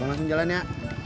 bang langsung jalan ya